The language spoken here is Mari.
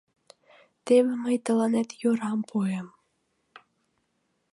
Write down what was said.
Теве мый тыланет йорам пуэм!